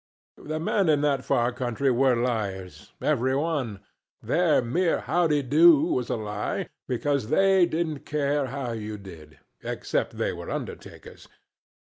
The men in that far country were liars, every one. Their mere howdy do was a lie, because they didn't care how you did, except they were undertakers.